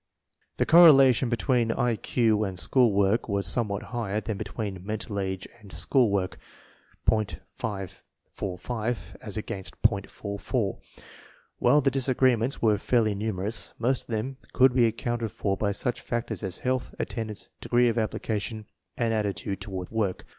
The correlation between I Q and school work was somewhat higher than between mental age and school work (.545 as against .44). While the disagreements were fairly numerous, most of them could be accounted for by such factors as health, attendance, degree of application, and attitude toward work.